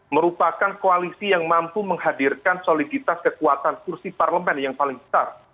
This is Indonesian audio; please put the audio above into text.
merupakan koalisi yang mampu menghadirkan soliditas kekuatan kursi parlemen yang paling besar